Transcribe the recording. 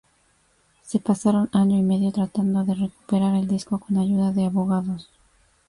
Se pasaron año y medio tratando de recuperar el disco con ayuda de abogados.